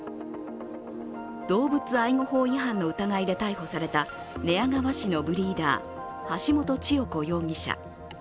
動物愛護法違反の疑いで逮捕された寝屋川市のブリーダー橋本千代子容疑者。